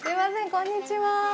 こんにちは